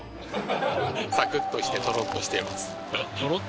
サクッとしてトロッとしています。